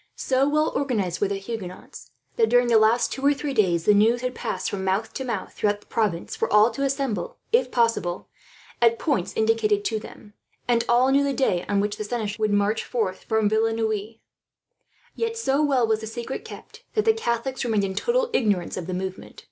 So well organized were the Huguenots that, during the last two or three days, the news had passed from mouth to mouth throughout the province for all to assemble, if possible, at points indicated to them; and all knew the day on which the seneschal would march north from Villeneuve. Yet so well was the secret kept, that the Catholics remained in total ignorance of the movement.